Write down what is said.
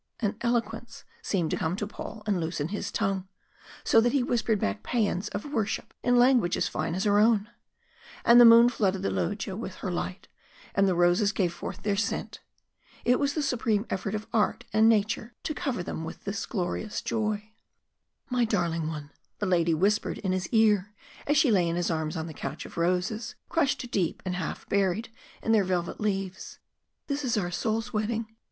An eloquence seemed to come to Paul and loosen his tongue, so that he whispered back paeans of worship in language as fine as her own. And the moon flooded the loggia with her light, and the roses gave forth their scent. It was the supreme effort of art and nature to cover them with glorious joy. "My darling one," the lady whispered in his ear, as she lay in his arms on the couch of roses, crushed deep and half buried in their velvet leaves, "this is our souls' wedding.